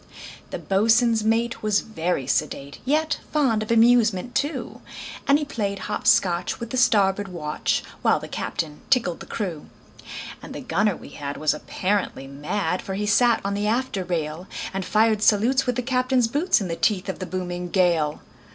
The boatswain's mate was very sedate, Yet fond of amusement, too; And he played hop scotch with the starboard watch, While the captain tickled the crew. And the gunner we had was apparently mad, For he sat on the after rail, And fired salutes with the captain's boots, In the teeth of the booming gale.